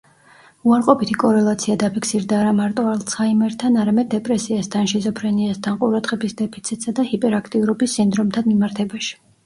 უარყოფითი კორელაცია დაფიქსირდა არამარტო ალცჰაიმერთან, არამედ დეპრესიასთან, შიზოფრენიასთან, ყურადღების დეფიციტსა და ჰიპერაქტიურობის სინდრომთან მიმართებაში.